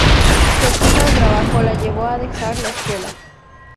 Su exceso de trabajo la llevó a dejar la escuela.